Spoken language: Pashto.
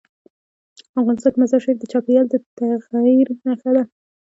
افغانستان کې مزارشریف د چاپېریال د تغیر نښه ده.